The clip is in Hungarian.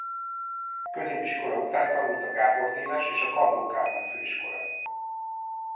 Középiskola után tanult a Gábor Dénes és a Kandó Kálmán Főiskolán.